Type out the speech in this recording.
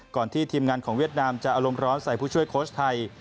ที่ทีมงานของเวียดนามจะอารมณ์ร้อนใส่ผู้ช่วยโค้ชไทย